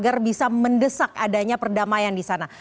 dan kemudian juga mendesak adanya kemerdekaan di sana